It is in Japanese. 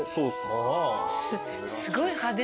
すごい派手ね。